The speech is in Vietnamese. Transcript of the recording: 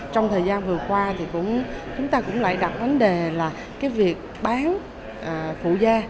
trong thời gian vừa qua thì chúng ta cũng lại đặt vấn đề là cái việc bán phụ da